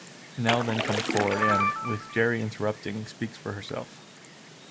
Nell then comes forward and, with Jerry interpreting, speaks for herself.